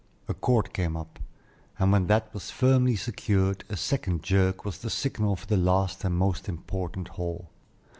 A cord came up, and when that was firmly secured, a second jerk was the signal for the last and most important haul.